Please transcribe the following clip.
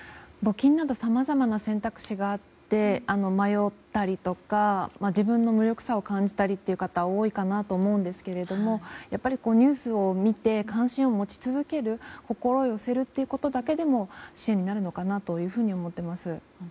募金などさまざまな選択肢があって迷ったりとか自分の無力さを感じたりとかいう方も多いかなと思うんですけれどもやっぱりニュースを見て関心を持ち続ける心を寄せるということだけでも支援になるのかなと思っています。